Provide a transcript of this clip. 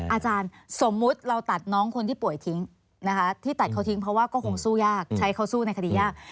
อาจารย์สมมุติเราตัดน้องคนที่ป่วยทิ้งนะคะที่ตัดเขาทิ้งเพราะว่าก็คงสู้ยากใช้เขาสู้ในคดียาก